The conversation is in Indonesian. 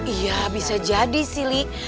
iya bisa jadi sih li